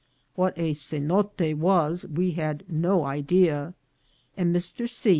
What a cenote was we had no idea, and Mr. C.